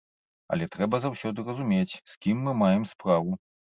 Але трэба заўсёды разумець з кім мы маем справу.